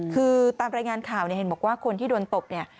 คือตามรายงานข่าวเนี่ยเห็นบอกว่าคนที่โดนตบเนี่ย